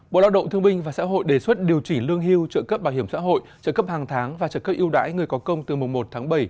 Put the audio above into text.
bộ lao động thương binh và xã hội đề xuất điều chỉnh lương hưu trợ cấp bảo hiểm xã hội trợ cấp hàng tháng và trợ cấp yêu đãi người có công từ mùng một tháng bảy